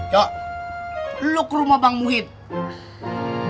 cok lo ke rumah bang muhyiddin